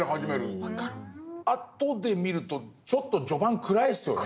後で見るとちょっと序盤暗いですよね。